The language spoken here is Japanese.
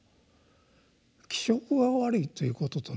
気色が悪いということとね